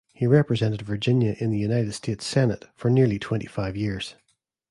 He represented Virginia in the United States Senate for nearly twenty-five years.